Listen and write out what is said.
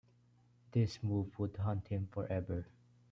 This move would haunt him forever.